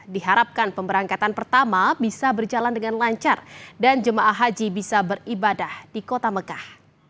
diharapkan pemberangkatan pertama bisa berjalan dengan lancar dan jemaah haji bisa beribadah di kota mekah